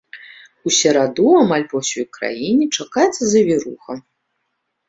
У сераду амаль па ўсёй краіне чакаецца завіруха.